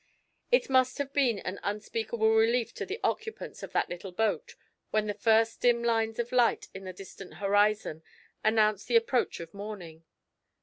It must have been an unspeakable relief to the occupants of that little boat when the first dim lines of light in the distant horizon announced the approach of morning.